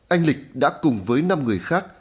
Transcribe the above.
anh lịch đã cùng với năm người khác